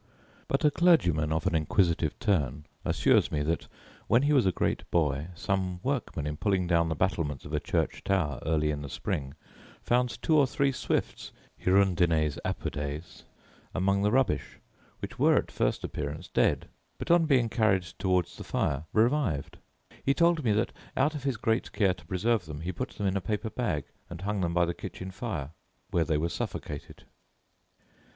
But a clergyman, of an inquisitive turn, assures me that, when he was a great boy, some workmen, in pulling down the battlements of a church tower early in the spring, found two or three swifts (hirundines apodes) among the rubbish, which were, at first appearance, dead, but, on being carried toward the fire, revived. He told me that, out of his great care to preserve them, he put them in a paper bag, and hung them by the kitchen fire, where they were suffocated.